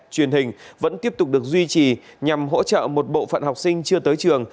truyền hình vẫn tiếp tục được duy trì nhằm hỗ trợ một bộ phận học sinh chưa tới trường